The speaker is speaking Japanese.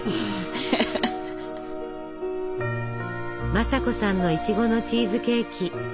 正子さんのいちごのチーズケーキ。